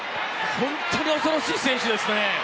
本当に恐ろしい選手ですね。